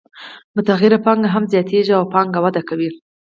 متغیره پانګه هم زیاتېږي او پانګه وده کوي